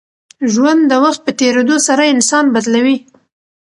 ژوند د وخت په تېرېدو سره انسان بدلوي.